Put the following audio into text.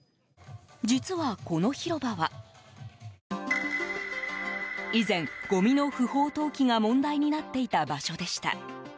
実は、この広場は以前、ごみの不法投棄が問題になっていた場所でした。